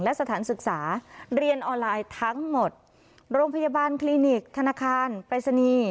และสถานศึกษาเรียนออนไลน์ทั้งหมดโรงพยาบาลคลินิกธนาคารปริศนีย์